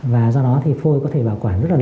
và do đó thì phôi có thể bảo quản rất là